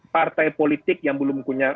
partai politik yang belum punya